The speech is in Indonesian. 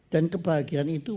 dan kebahagiaan itu